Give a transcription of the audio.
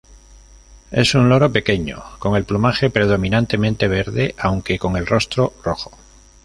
Es un loro pequeño con el plumaje predominantemente verde aunque con el rostro rojo.